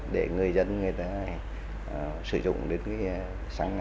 để người dân người tổ chức có thể thấu hiểu được lợi ích của xăng e năm